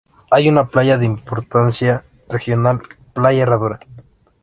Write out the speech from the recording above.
Hay una playa de importancia regional: Playa Herradura.